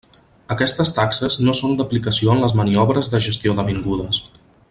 Aquestes taxes no són d'aplicació en les maniobres de gestió d'avingudes.